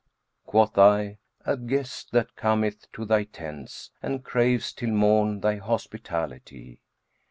Quoth I, 'A guest that cometh to thy tents * And craves till morn thy hospitality.'